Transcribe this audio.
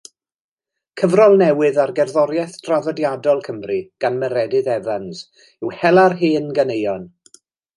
Cyfrol newydd ar gerddoriaeth draddodiadol Cymru gan Meredydd Evans yw Hela'r Hen Ganeuon.